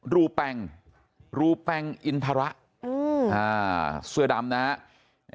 รูแปงรูปแปงอินทระเสื้อดำนะครับ